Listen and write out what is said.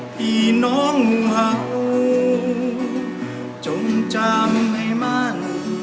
พี่น้องห่าวจงจำให้มัน